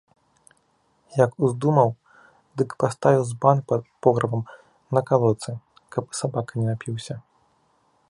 Як уздумаў, дык паставіў збан пад пограбам на калодцы, каб сабака не напіўся.